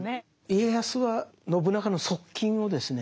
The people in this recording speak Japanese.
家康は信長の側近をですね